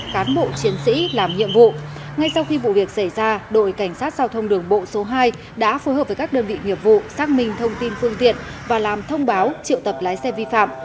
cảnh sát giao thông đường bộ số hai đã phù hợp với các đơn vị nghiệp vụ xác minh thông tin phương tiện và làm thông báo triệu tập lái xe vi phạm